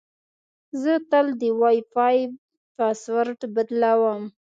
زه تل د وای فای پاسورډ بدلوم.